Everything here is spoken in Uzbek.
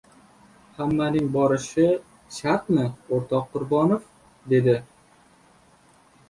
— Hammaning borishi shartmi, o‘rtoq Qurbonov, — dedi.